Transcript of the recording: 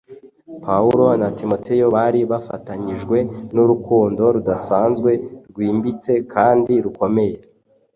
Pawulo na Timoteyo bari bafatanyijwe n’urukundo rudasanzwe rwimbitse kandi rukomeye.